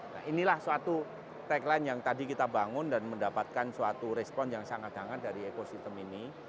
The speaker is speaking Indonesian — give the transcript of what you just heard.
nah inilah suatu tagline yang tadi kita bangun dan mendapatkan suatu respon yang sangat hangat dari ekosistem ini